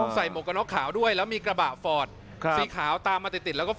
หมวกกระน็อกขาวด้วยแล้วมีกระบะฟอร์ดสีขาวตามมาติดติดแล้วก็